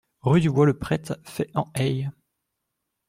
Rue du Bois le Prêtre, Fey-en-Haye